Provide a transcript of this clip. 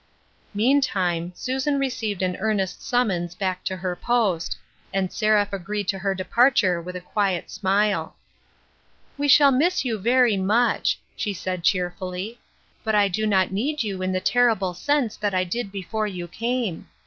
Meantime, Susan received an earnest summons back to her post, and Seraph agreed to her de parture with a quiet smile. " We shall miss you very much," she said cheer fully, "but I do not need you in the terrible sense that I did before you came.